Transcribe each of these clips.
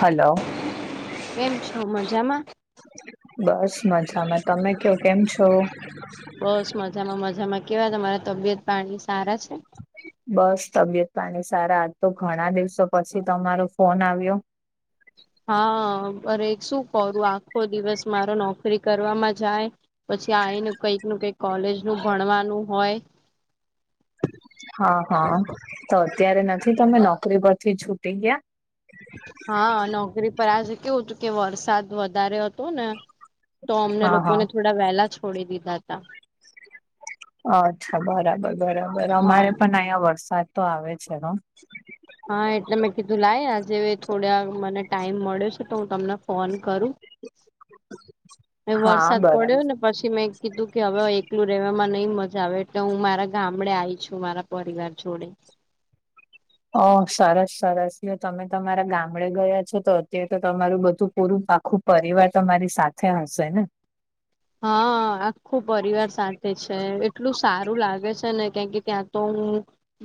Hello! કેમ છો! મજામાં? બસ મજામાં તમે ક કેમ છો? બસ મજામાં મજામાં કેવા તમારા તબિયત પાણી સારા છે? બસ. તબિયત પાણી સારા. આ તો ઘણા દિવસો પછી તમારો ફોન આવ્યો. હા અરે શું કરુ આખો દિવસ મારો નોકરી કરવાવામાં જાય. પછી આઇને કંઈક નું કઈક કોલેજ નું ભણવાનું હોય. હ હ તો અત્યારે નથી તમે નોકરી પરથી છૂટી ગિયા. હ નોકરી પર આજે કેવું હતું કે વરસાદ વધારે હતો ને. તો અમને ગયા હા લોકોને થોડા વહેલા છોડી દીધા તા. અચ્છા બરાબર બરાબર હા અમારે પણ અહીંયા વરસાદ તો આવે છે હ. હ એટલે મેં કીધું લાય આજે થોડયા મને ટાઈમ મળ્યો છે, તો હું તમને ફોન કરું. એ હા વરસાદ પડ્યો બરાબર ને. પછી મેં કીધું કે હવે એકલું રેવાવામાં નઈ મજા આવે એટલે હું મારા ગામડે આઈ છું મારા. પરિવાર છોડે. ઓ સરસ સરસ જો તમે તમારા ગામડે ગયા છો તો અત્યારે તો તમારું બધું પૂરું પાખું. પરિવાર તમારી સાથે હશે ને? હ. આખું પરિવાર સાથે છે. એટલું સારું લાગે છે ને. કેમ કે ત્યાં તો હું,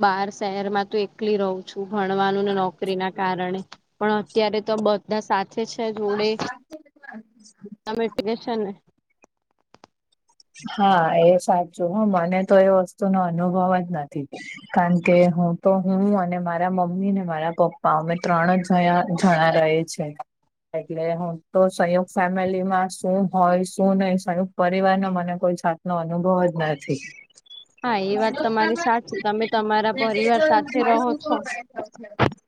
બહાર શહેર માં તો એકલી રહું. છું ભણવાનું ને નોકરી ના કારણે પણ અત્યારે તો બધા સાથે છે જોડે [inaudible] [unintelligible] હા એ સાચું હ. મને તો એ વસ્તુ નો અનુભવ જ નથી. કારણ કે હું તો, હું અને મારા મમ્મી ને મારા પપ્પા અમે ત્રણ જ જણા રહે છે. પેરેગ્રાફ. એટલે હું તો, સંયુક્ત ફેમિલી માં શું હોય શું નય સંયુક્ત પરિવાર ના મ મને કોઈ સાત નો અનુભવ જ નથી. હા એ વાત તમારી સાચી તમે [unintelligible] તમારા પરિવાર સાથે રહો છો [unintelligible]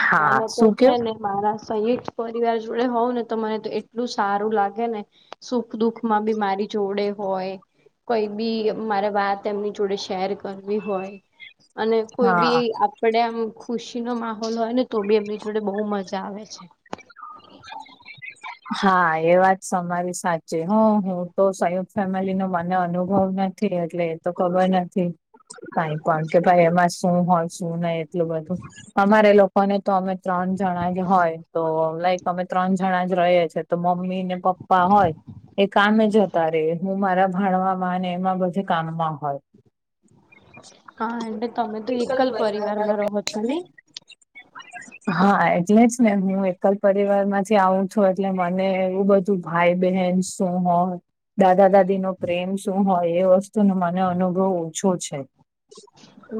હા, મને તો શું છે કેવ ને. મારા સંયુક્ત પરિવાર જોડે હોવ ને, તો મને તો એટલું સારું લાગે ને. સુખ દુઃખ માં બી મારી જોડે હોય. કોઈ બી મારે વાત એમની જોડે શેર કરવી હોય. અને કોઈ હા બી આપડે એમ ખુશી નો માહોલ હોય ને તો બી એમની જોડે બહુ મજા આવે છે. [inaudible] હા એ વાત સમારી સાચી હો હું તો સંયુત ફેમિલી નો મને અનુભવ ન એટલે એ તો ખબર નથી. કઈ પણ કે, ભાઈ એમાં શું હોય? શું નહી એટલું બધું અમારે લોકો અને તો અમે ત્રણ જણા જ હોય, તો લાઈક અમે ત્રણ જણા જ રહીએ છે. તો મમ્મી ને પપ્પા હોય એ કામે જ હતા રે. હું મારા ભાણવામાં અને એમાં બધી કામમાં હોય. હા. એટલે તમે તો એકલ પરિવાર માં રહો છો ને? હા એટલે જ ને. હું એકલ પરિવાર માંથી આવું છું એટલે મને એવું બધું ભાઈ બહેન શું હ દાદા દાદી નો પ્રેમ શું હોય એ વસ્તુ ન મને અનુભવ ઓછો છે.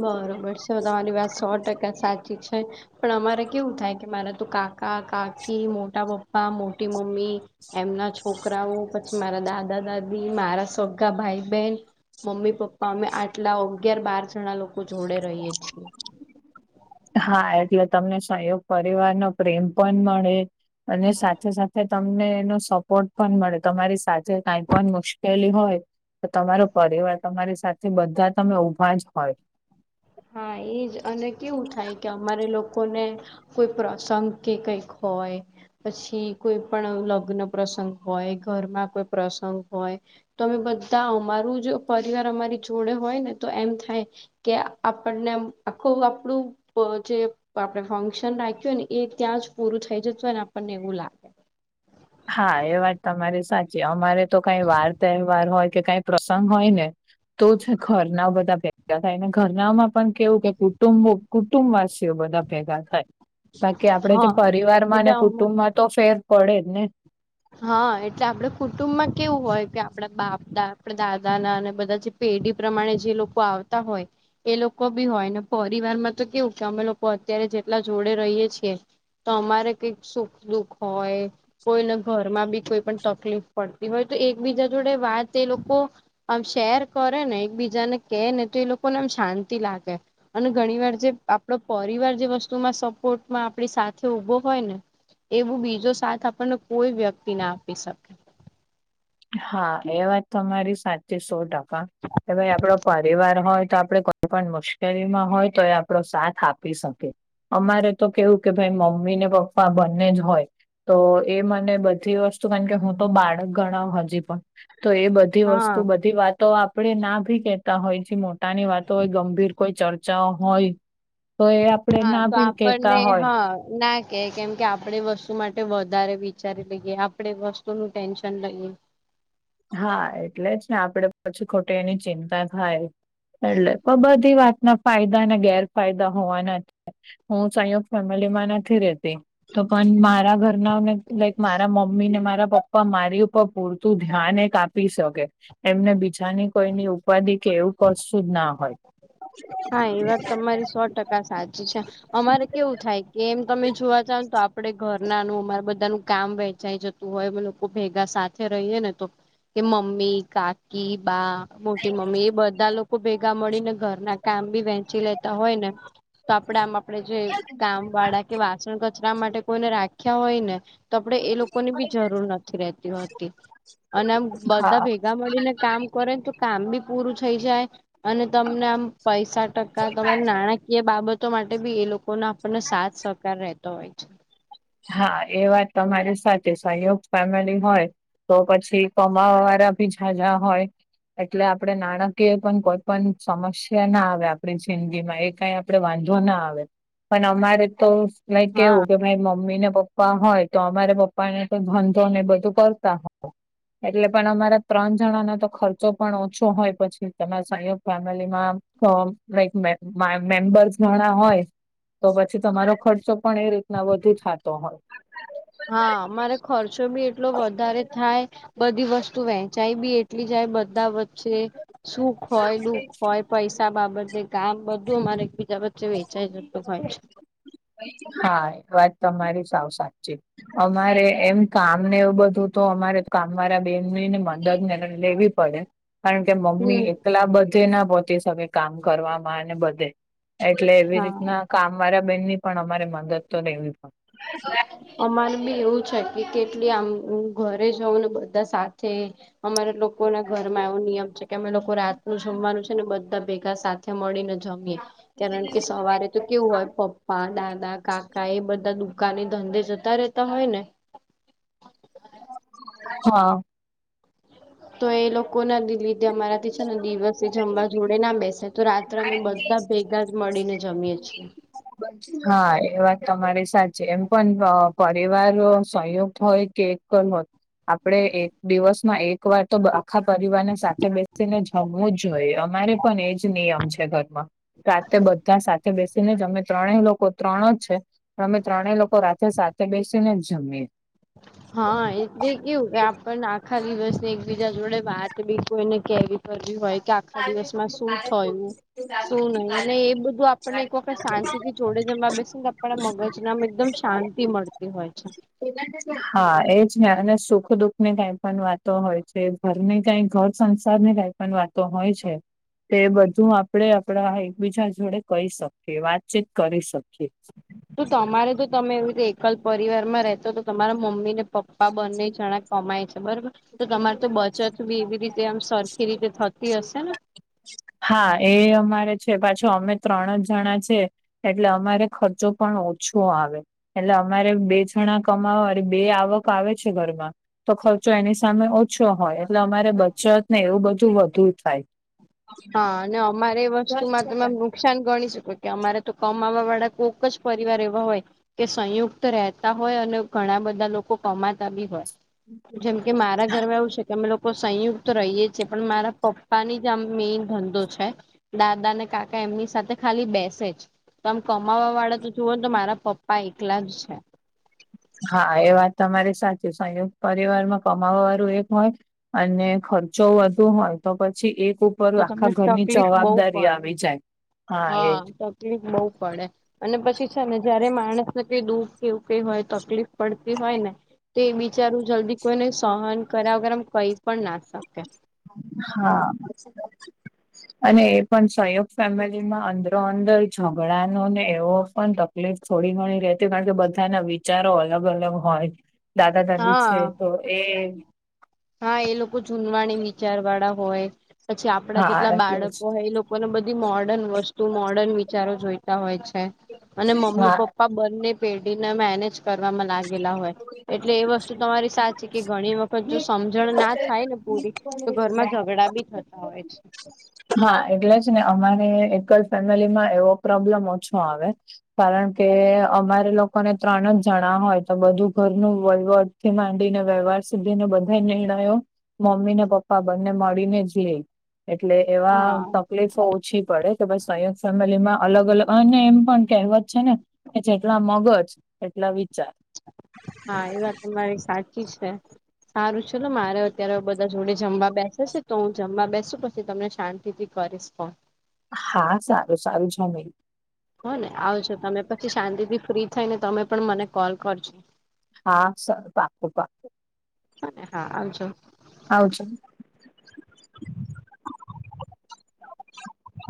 બરોબર છે તમારી વાત સો ટકા સાચી છે. પણ અમારે કેવું થાય કે મારા તો કાકા કાકી મોટા પપ્પા મોટી મમ્મી. એમના છોકરાઓ પછી મારા દાદા દાદી મારા સગા ભાઈ બહેન. મમ્મી પપ્પા અમે આટલા અગિયાર બાર જણા લોકો જોડે રહીએે છીએ. હા એટલે તમને સહયોગ પરિવાર નો પ્રેમ પણ મળે. અને સાથે સાથે તમને એનો સપોર્ટ પણ મળે તમારી સાથે કઈ પણ મુશ્કેલી હોય. તો તમારો પરિવાર તમારી સાથે બધા તમે ઊભા જ હોય હા એજ અને કેવું થાય કે અમારે લોકોને કોઈ પ્રસંગ કે કઈક હોય પછી કોઈ પણ લગ્ન પ્રસંગ હોય ઘરમાં કોઈ પ્રસંગ હોય તો અમે બધા અમારું જો પરિવાર અમારી જોડે હોય ને તો એમ થાય કે આપણને એમ આખું આપણું પ જે આપણે ફંક્શન રાખ્યું હોય ને એ ત્યાં જ પૂરું થઈ જતું હોય ને આપણને એવું લાગે હા એ વાત તમારી સાચી અમારે તો કઈ વાર તહેવાર હોય કે કઈ પ્રસંગ હોય ને તો છે, ઘરના બધા ભેગા થાયને ઘરનામાં પણ કેવું કે કુટુંબો કુટુંબવાસીઓ બધા ભેગા થાય બાકી આપડે તો હા પરિવારમાં એટલે ને અમા કુટુંબમાં તો ફેર પડે જ ને હા એટલે આપડ કુટુંબમાં કેવું હોય કે આપડા બાપ દા આપણા દાદાના અને બધા જે પેઢી પ્રમાણે જે લોકો આવતા હોય એ લોકો બી હોય ને પરિવારમાં તો કેવું કે અમે લોકો અત્યારે જેટલા જોડે રહીએ છીએ તો અમારે કઈક સુખ દુઃખ હોય કોઈને ઘરમાં બી કોઈ પણ તકલીફ પડતી હોય તો એકબીજા જોડે વાત એ લોકો આમ શેર કરે ને એકબીજાને કે ને તો એ લોકોને એમ શાંતિ લાગે અને ઘણી વાર જે આપણો પરિવાર જે વસ્તુમાં સપોર્ટમાં આપણી સાથે ઉભો હોય ને એવું બીજો સાથ આપણને કોઈ વ્યક્તિના આપી શકે હા એ વાત તમારી સાચે સો ટકા કે ભાઈ આપડો પરિવાર હોય તો આપડે પણ મુશ્કેલીમાં હોય તો એ આપણો સાથ આપી શકે અમારે તો કેવું કે ભાઈ મમ્મી ને પપ્પા બંને જ હોય તો એ મને બધી વસ્તુ કારણ કે હું તો બાળક ગણાવ હજી પણ તો એ બધી વસ્તુ હા બધી વાતો આપણે ના ભી કેતા હોય જે મો તાની વાતો હોય ગંભીર કોઈ ચર્ચાઓ હોય તો એ આપડે હા ના તો ભી આપણને કેતા હોય હા ના કે કેમ કે આપણે વસ્તુ માટે વધારે વિચારી લઈએ આપણે વસ્તુનું ટેન્શન લઈએ હા એટલે જ ને આપડે પછી ખોટી એની ચિંતા થાય એટલે પણ બધી વાતના ફાયદા ને ગેરફાયદા હોવાના જ હું સંયુકત ફેમિલીમાં નથી રેતી તો પણ મારા ઘ [unintelligible] લાઈક મારા મમ્મી ને મારા પપ્પા મારી ઉપર પૂરતું ધ્યાન એક આપી શકે એમને બીજાની કોઈની ઉપાધિ કે એવું કશુ જ ના હોય હા એ વાત તમારી સો ટકા સાચી છે, અમારે કેવું થાય કે એમ તમે જોવા જાવ તો આપડે ઘ નાનુ અમારે બધાનું કામ વેંચાઈ જતું હોય અમે લોકો ભેગા સાથે રહીએ ને તો કે મમ્મી, કાકી, બા, મોટી મમ્મી એ બધા લોકો ભેગા મળીને ઘર ના કામ બી વેંચી લેતા હોય ને તો આપડે આમ આપણેે જે કામ વાળા કે વાસણ કચરા માટે કોઈને રાખ્યા હોય ને તો આપણેે એ લોકોની બી જરૂર નથી રેતી હોતી અને આમ બધા ભેગા મળીને કામ કરેને તો કામ બી પૂરું થઈ જાય અને તમને આમ પૈસા ટકા તમારે નાણા કીઅ બાબતો માટે બી એ લોકોનો આપણને સાથ સહકાર રહેતો હોય છે. હા એ વાત તમારી સાથે સંહયોગ ફેમિલી હોય તો પછી કમાવા વાળા ભી જાજા હોય એટલે આપડે નાણાકીય પણ કોઈ પણ સમસ્યા ના આવે આપણી જિંદગીમાં એ કાઈ આપડે વાંધો ના આવે પણ અમારે તો લાઈક હા કેવું કે ભાઈ મ મમ્મી ને પપ્પા હોય તો અમારે પપ્પા ને તો ધંધો ને બધું કરતા હોય એટલે પણ અમારા ત્રણ જણાનો તો ખર્ચો પણ ઓછો હોય પછી તમારા સંયોગ ફેમિલીમાં હ લાઈક મે મા મેમ્બર્સ ઘણા હોય તો પછી તમારો ખર્ચો પણ એ રીતના વધુ થતો હોય હા મામારે ખર્ચો બી એટલો વધારે થાય? બધી વસ્તુ વહેંચાય બી એટલી જાય બધા- છે સુખ હોય દુખ હોય પૈસા બાબતે કામ બધું અમારે- બજ વચે વેચાય છે તોય- હા એ વાત તમારી સાવ સાચી અમારે એમ- કામ ને એવું બધું તો અમારે કામ વાળા બેનની ને મદદ લેવી પડે- કારણ કે મમ્મી હમ એકલા બધે ના પહોચી શકે કામ કરવામાં અને બધે- એટલે એવી હા રીતના કામ વાળા બેન ની પણ અમારે મદદ તો લેવી પડતી- હ તો- અમારે બી એવું છે કે કેટલી આમ ઘરે જઉ ને બધા સાથે અમારે લોકો- લોકો ના ઘરમાં એવો નિયમ છે કે અમે લોકો રાત નું જમવાનું છે ને બધા ભેગા સાથે મળીને- જમી કારણ કે સવારે તો કેવું હોય પપ્પા દાદા કાકા એ બધા દુ- કાની ધંધે જતા રહેતા હોય ને- હા [unintelligible] તો એ લોકો ના દ લીધે અમારાથી છે ને દિવસે જમવા જોડે ના બેસે તો રાત્રે- અમે બધા ભેગા જ મળીને જમીએ છીએ- બ [unintelligible] હા એ વાત તમારી સાચી એમ પણ પરિવાર સંયુક્ત હોય કે એકલ હોત- આપણે એક દિવસ માં એક વાર તો આખા પરિવાર ને સાથે બેસીને જ- થમવું જ જોઈએ અમારે પણ એજ નિયમ છે ઘરમાં- રાતે બધા સાથે બેસીને જ અમે ત્રણેય લોકો ત્રણ જ છે. અમે ત્રણેય લોકો રાતે સાથે બેસીને જમએ- હા એટલે કેવું આપણને આખા દિવસ ને એકબીજા જોડે વાત બેઠી એને કેવી- હોય કે આખા દિવસમાં શું થયું શું નહી અને એ બધું- આપણને એક વખત શાંતિ થી જોડે જવા બેશે ને તો આપણા મગજ નામ એકદમ શાંતિ મળતી હોય છે. હા એજ ને અને સુખ દુખ ની કઈ પણ વાતો હોય છે. ઘર ને કઈ ઘર સંસાર ની કઈ પણ વાતો હોય છે. તે બધું આપડે આપણા એકબીજા જોડે કહી શકીએ વાતચીત કરી શકીએ- તો તમારે તો તમે એવી રીતે એકલ પરિવાર માં રહેતો તો તમારા મમ્મી ને- પપ્પા બંને જણા કમાય છે. બરોબર- તો તમાર તો બચત બી એવી રીતે આમ સરખી રીતે થતી હશે ને- હા એ અમારે છે પાછો અમે ત્રણ જ જણા છે. એટલે અમારે ખર્ચો પણ ઓછો આવે- એટલે અમારે બે છણા કમાવો બે આવક- આવેે છે ઘરમાં તો ખર્ચો એની સામે ઓ- ઓછો હોય એટલે અમારે બચત ને એવું બધું વધુ થાય- હા અને અમારે વસ્તુમાં તમે નુકસાન ગણી શકો છો- કે અમારે તો કમાવા વાળા કોઈક જ પરિવાર એવા હોય. કે સંયુક્ત રહેતા હોય અને ઘણા બધા લોકો કમાતા બી હોય! જેમ કે મારા ઘરમાં એવું છે કે અમે લોકો સંયુક્ત રહીએ છીએ પણ મારા પપ્પા ની જ- મેન ધંધો છે દાદા અનેને કાકા એમની સાથે ખાલી બેસે જ- તો આમ કમાવા વાળા તો જુઓ ને તો મારા પપ્પા એકલા જ છે. હા એ વાત તમારી સાચી સંયુક્ત પરિવારમાં કમાવા વાળું એક હોય. અને ખર્ચો વધુ હોય તો પછી એક- ઉપ તો તમને આખા ઘરની તકલીફ બહુ જવાબદારી પડે આવી જાય- હા તકલીફ બહુ પડે અને પછી છે ને જયારે માણસ- કઈ દુઃખ કેવું કઈ હોય તકલીફ પડતી હોય ને- તો એ બિચારું જલ્દી કોઈને સહન કર્યા વગર આમ કઈ પણ ના શકે- હા અને એ પણ સહયોગ ફેમિલીમાં અંદરો અંદર ઝઘડાનો ને એવો પણ ત તકલીફ થોડી ઘણી રહેતી કારણ કે બધાના વિચારો અલગ અલગ હોય દાદા દાદી હા છે તો એ હા એ લોકો જૂનવાણી વિચાર વાળા હોય પછી આપડા હા જેટલા એટલે બાળકો જ હોય એ લોકો લોકોને બધી મોર્ડર્ન વસ્તુ મોર્ડર્ન વિચારો જોઈતા હોય છે અને હા મમ્મી પપ્પ પ્પા બર ની પેઢીને મેનેજ કરવામાં લાગે હોય એટલે એ વસ્તુ તમારી સાચ છે કે ઘણી વખત જો સમજણ ના થાય ને પૂરી તો ઘરમાં ઝઘડા બી થતા હોય છે. હા એટલે જ ને અમારે એકલ ફેમિલી માં એવો પ્રોબ્લેમ ઓછો આવે કારણ કે અમારે લોકોને ત્રણ જ જણા હોય બધું ઘરનું વહીવટથી માંડીને વ્યવહાર સુધી ને બધા નિર્ણયો મમ્મી ને પપ્પા બંને મળીને જ લે એટલે એવા હા તકલીફો ઓછી પડે કે સહયોગ ફેમિલીમાં અલગ અલગ અને એમ પણ કહેવત છે ને કે જેટલા મગજ એટલા વિચાર હા એ વાત તમારી સાચી છે. સારું છે ને મારે અત્યારે બધા જોડે જમવા બેસે છે તો હું જમવા બેસુ પછી તમને શાંતિથી કરીશ ફોન હા સારું સારું જ મે્યું હો ને આવજો તમે પછી શાંતિથી ફ્રી થઈ ને તમે પણ મને કોલ કરજો હા સર પાકુ પાકુ હા આવજો આવાજ